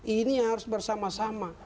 ini harus bersama sama